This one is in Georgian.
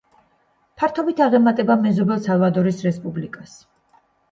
ფართობით აღემატება მეზობელ სალვადორის რესპუბლიკას.